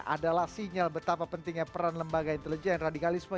adalah sinyal betapa pentingnya peran lembaga intelijen radikalisme